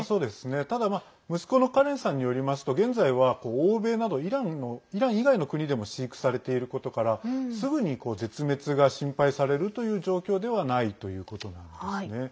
ただ、息子のカレンさんによりますと現在は欧米などイラン以外の国でも飼育されていることからすぐに絶滅が心配されるという状況ではないということなんですね。